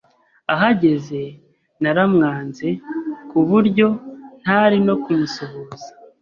ahageze naramwanze ku buryo ntari no kumusuhuza,